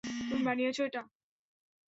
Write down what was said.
তুমি বানিয়েছ এটা?